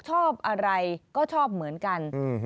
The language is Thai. ชอบอะไรก็ชอบเหมือนกัน